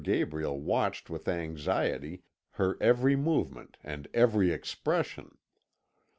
Gabriel watched with anxiety her every movement and every expression.